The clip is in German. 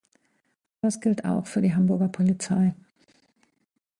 Das gilt auch für die Hamburger Polizei.